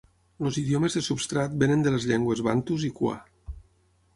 Els idiomes de substrat vénen de les llengües bantus i kwa.